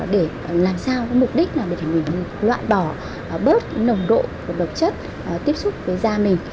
để làm sao mục đích là để mình loại bỏ bớt nồng độ và độc chất tiếp xúc với da mình